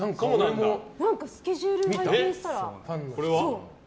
何か、スケジュールを拝見したら。